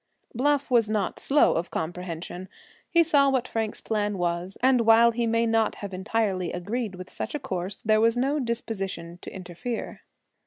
Bluff was not slow of comprehension. He saw what Frank's plan was, and while he may not have entirely agreed with such a course, there was no disposition to interfere.